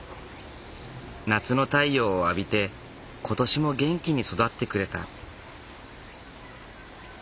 夏の太陽を浴びて今年も元気に育ってくれた。